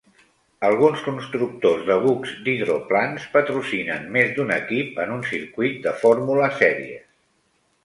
Alguns constructors de bucs d'hidroplans patrocinen més d'un equip en un circuit de fórmula sèries.